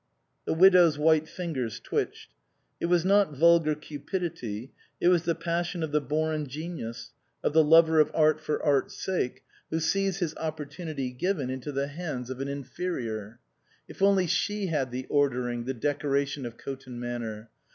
The widow's white fingers twitched. It was not vulgar cupidity; it was the passion of the born genius, of the lover of art for art's sake, who sees his opportunity given into the hands 85 THE COSMOPOLITAN of an inferior. If only she had the ordering, the decoration of Coton Manor